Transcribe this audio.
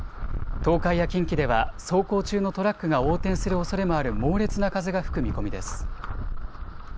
東海や近畿では走行中のトラックが横転するおそれもある猛烈な風が吹く見込みです。